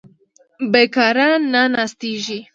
بېکاره نه ناستېږي.